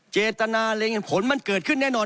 เจตนาเล็งเห็นผลมันเกิดขึ้นแน่นอน